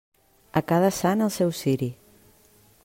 A cada sant, el seu ciri.